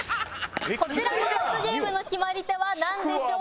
「こちらの罰ゲームの決まり手はなんでしょう？」